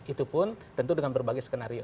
itu pun tentu dengan berbagai skenario